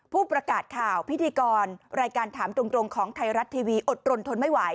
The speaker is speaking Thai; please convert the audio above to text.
ผู้ประกาศข่าวพิธีกรรายการถามตรงของไทยรัฐทีวีอดรนทนไม่ไหว